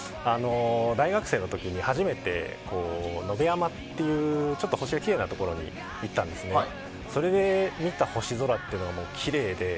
大学生の時に初めて野辺山という星がきれいなところに行ったんですがそれで、見た星空がきれいで。